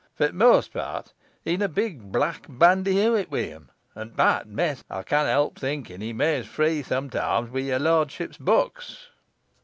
For't most part he'n a big, black bandyhewit wi' him, and, by th' Mess, ey canna help thinkin he meys free sumtoimes wi' yor lortship's bucks."